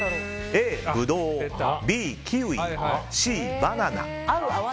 Ａ、ブドウＢ、キウイＣ、バナナ。